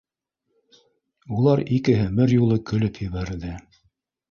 У лар икеһе бер юлы көлөп ебәрҙе